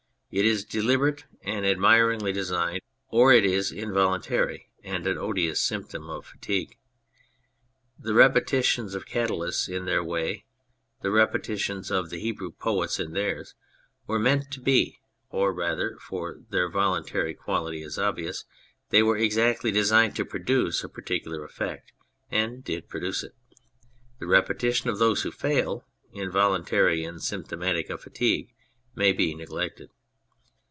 It is deliberate and admiringly designed, or it is involuntary and an odious symptom of fatigue. The repetitions of Catullus in their way, the repetitions of the Hebrew poets in theirs, were meant to be ; or rather (for their voluntary quality is obvious) they were exactly designed to produce a particular effect, and did produce it ; the repetition of those who fail, involuntary and symptomatic of fatigue, may be neglected.